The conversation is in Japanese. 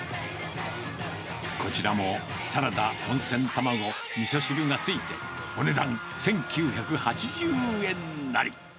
こちらもサラダ、温泉卵、みそ汁がついて、お値段１９８０円なり。